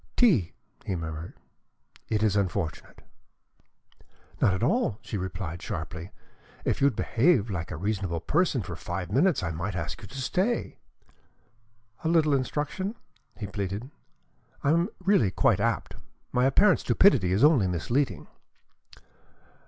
"Tea!" he murmured. "It is unfortunate." "Not at all!" she replied sharply. "If you'd behave like a reasonable person for five minutes, I might ask you to stay." "A little instruction?" he pleaded. "I am really quite apt. My apparent stupidity is only misleading."